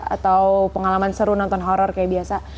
atau pengalaman seru nonton horor kayak biasa